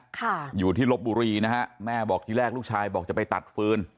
ค่ะอยู่ที่ลบบุรีนะฮะแม่บอกที่แรกลูกชายบอกจะไปตัดฟืน